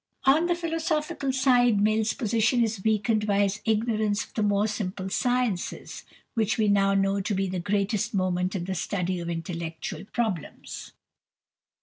On the philosophical side Mill's position is weakened by his ignorance of the more simple sciences, which we now know to be of the greatest moment in the study of intellectual problems.